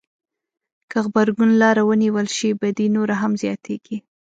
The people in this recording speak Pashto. که غبرګون لاره ونیول شي بدي نوره هم زياتېږي.